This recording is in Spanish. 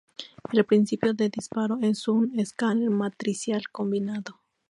El principio de disparo es un escáner matricial combinado.